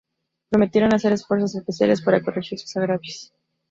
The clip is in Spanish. Prometieron hacer esfuerzos especiales para corregir sus agravios.